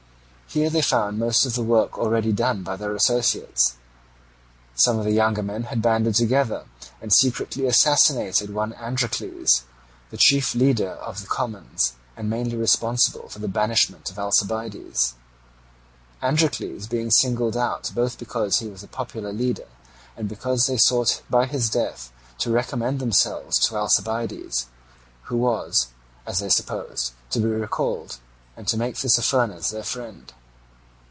Here they found most of the work already done by their associates. Some of the younger men had banded together, and secretly assassinated one Androcles, the chief leader of the commons, and mainly responsible for the banishment of Alcibiades; Androcles being singled out both because he was a popular leader and because they sought by his death to recommend themselves to Alcibiades, who was, as they supposed, to be recalled, and to make Tissaphernes their friend.